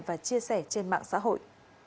và chia sẻ trên mạng xã hội